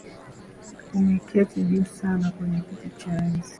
Umeketi juu sana, kwenye kiti cha enzi